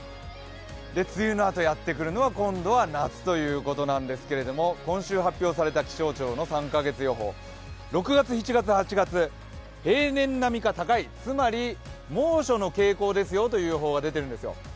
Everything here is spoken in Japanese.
梅雨のあとやってくるのは、今度は夏ということなんですけれども今週発表された気象庁の３カ月予報、６月、７月、８月、平年並みか高い、つまり猛暑の傾向ですよという予報が出てるんですよ。